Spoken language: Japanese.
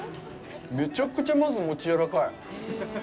めちゃくちゃ、まず餅やわらかい。